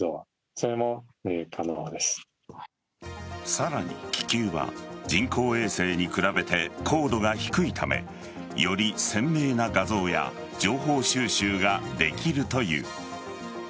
さらに気球は人工衛星に比べて高度が低いためより鮮明な画像や情報収集ができるという。